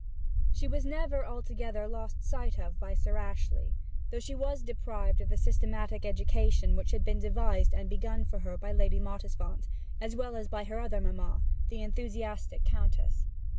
She was never altogether lost sight of by Sir Ashley, though she was deprived of the systematic education which had been devised and begun for her by Lady Mottisfont, as well as by her other mamma, the enthusiastic Countess.